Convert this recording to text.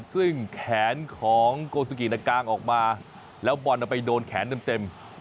ซึ่งแขนของโกสุกิกางออกมาแล้วบอลไปโดนแขนเต็ม